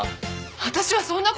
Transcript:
私はそんな事！